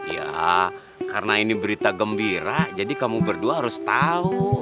ya karena ini berita gembira jadi kamu berdua harus tahu